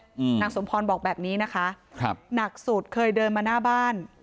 นางสมพรบอกแบบนี้นะคะครับหนักสุดเคยเดินมาหน้าบ้าน